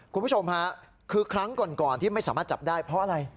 คุณผู้ชมค่ะคือครั้งก่อนที่ไม่สามารถจับได้เพราะอะไร